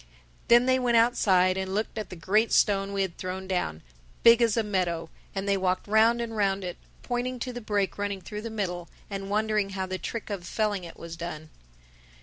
Then they went outside and looked at the great stone we had thrown down, big as a meadow; and they walked round and round it, pointing to the break running through the middle and wondering how the trick of felling it was done.